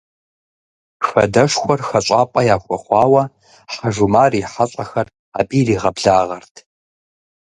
Хадэшхуэр хэщӏапӏэ яхуэхъуауэ, Хьэжумар и хьэщӏэхэр абы иригъэблагъэрт.